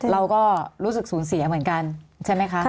เราก็รู้สึกสูญเสียเหมือนกันใช่ไหมคะ